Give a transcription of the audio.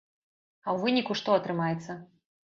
А ў выніку што атрымаецца?